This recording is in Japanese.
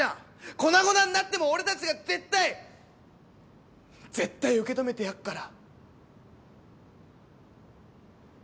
粉々になっても俺たちが絶対絶対受け止めてやっから！